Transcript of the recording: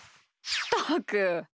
ったく！